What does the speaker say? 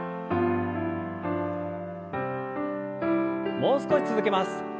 もう少し続けます。